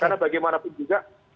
karena bagaimanapun juga